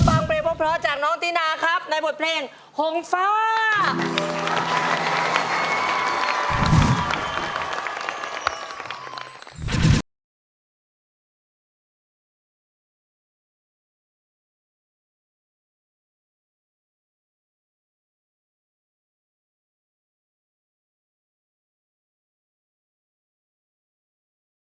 กลับมาฟังเพลงจากน้องตีนาครับในบทเพลงห่วงฟ้าในบทเพลง